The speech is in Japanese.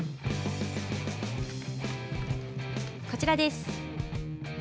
こちらです。